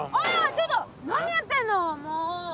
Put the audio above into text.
ちょっと何やってんのもう！